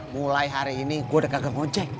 mulai hari ini gue udah gagal ngonjek